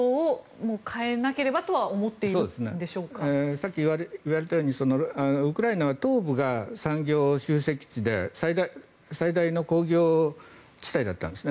さっき言われたようにウクライナは東部が産業集積地で最大の工業地帯だったんですね。